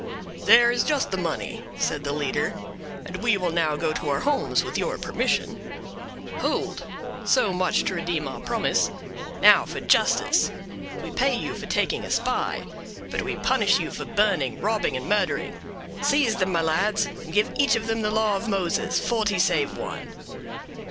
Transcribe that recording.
"There is just the money," said the leader; "and we will now go to our homes, with your permission." "Hold! so much to redeem our promise—now for justice; we pay you for taking a spy, but we punish you for burning, robbing, and murdering. Seize them, my lads, and give each of them the law of Moses—forty save one."